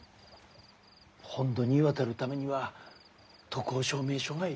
本土に渡るためには渡航証明書が要る。